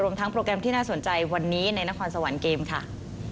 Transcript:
ทั้งโปรแกรมที่น่าสนใจวันนี้ในนครสวรรค์เกมค่ะ